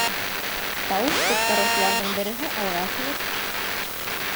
Тауыш ҡуптарыусыларҙың береһе алға сығып: